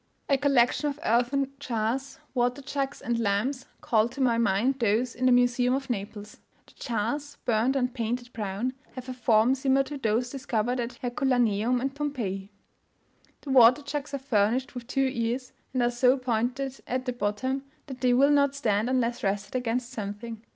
A collection of earthen jars, water jugs and lamps, called to my mind those in the museum at Naples. The jars, burnt and painted brown, have a form similar to those discovered at Herculaneum and Pompeii. The water jugs are furnished with two ears, and are so pointed at the bottom, that they will not stand unless rested against something.